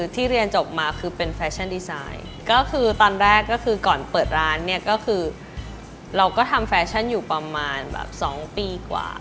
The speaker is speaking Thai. ทำแฟชั่นอยู่ประมาณแบบ๒ปีกว่า